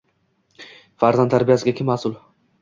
Farzand tarbiyasiga kim mas’ul?ng